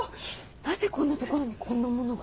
なぜこんな所にこんなものが？